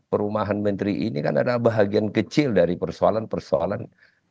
perumahan menteri ini kan adalah bahagian kecil dari persoalan persoalan